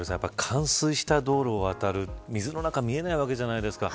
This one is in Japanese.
冠水した道路を渡る水の中見えないわけじゃないですか。